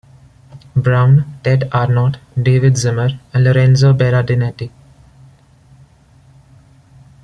Brown, Ted Arnott, David Zimmer and Lorenzo Berardinetti.